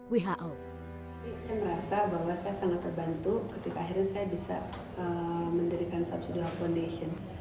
saya merasa bahwa saya sangat terbantu ketika akhirnya saya bisa mendirikan syamsiduha foundation